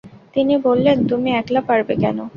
তিনি বললেন, তুমি একলা পারবে কেন?